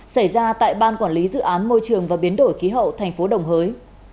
xảy ra tại ban quản lý dự án môi trường và biến đổi khí hậu tp đồng hới